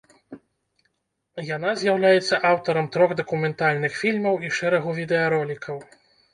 Яна з'яўляецца аўтарам трох дакументальных фільмаў і шэрагу відэаролікаў.